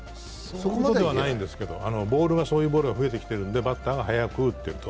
そこまではないんですけれども、ボールがそういうボールが増えてきているのでバッターが早く打っていると。